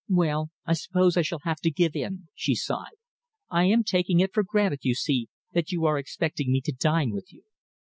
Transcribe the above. "Well, I suppose I shall have to give in," she sighed. "I am taking it for granted, you see, that you are expecting me to dine with you."